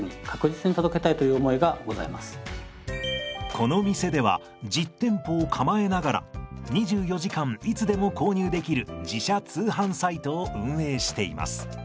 この店では実店舗を構えながら２４時間いつでも購入できる自社通販サイトを運営しています。